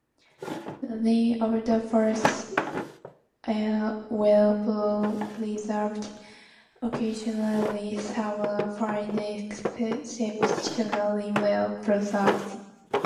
Many of the fossils are well preserved, occasionally some are found exceptionally well preserved.